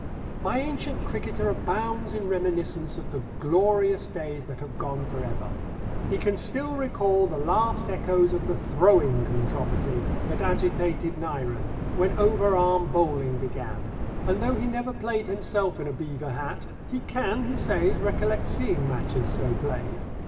My ancient cricketer abounds in reminiscence of the glorious days that have gone for ever. He can still recall the last echoes of the "throwing" controversy that agitated Nyren, when over arm bowling began, and though he never played himself in a beaver hat, he can, he says, recollect seeing matches so played.